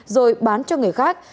rồi bán cho người khác